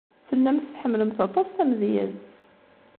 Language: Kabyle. Tellamt tḥemmlemt aṭas tamedyazt.